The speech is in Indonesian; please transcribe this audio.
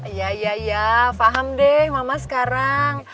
iya iya faham deh mama sekarang